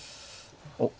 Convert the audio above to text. おっ。